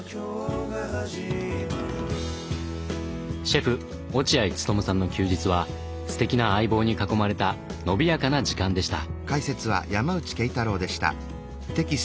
シェフ落合務さんの休日はすてきな相棒に囲まれたのびやかな時間でした。